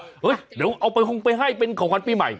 เฮ้ยเดี๋ยวเอาไปคงไปให้เป็นของขวัญปีใหม่